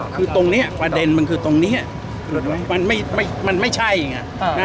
คือตรงเนี้ยประเด็นมันคือตรงเนี้ยมันไม่ไม่มันไม่ใช่อ่ะอ่า